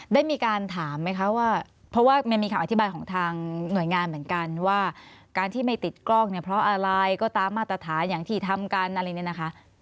ได้มีการถามไหมคะว่าเพราะว่ามันมีคำอธิบายของทางหน่วยงานเหมือนกันว่าการที่ไม่ติดกล้องเนี่ยเพราะอะไรก็ตามมาตรฐานอย่างที่ทำกันอะไรเนี่ยนะคะ